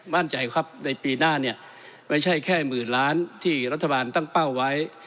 มั่นใจครับในปีหน้าเนี่ยไม่ใช่แค่หมื่นล้านที่รัฐบาลตั้งเป้าไว้